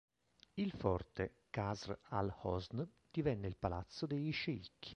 Il forte, Qasr Al-Hosn, divenne il Palazzo degli sceicchi.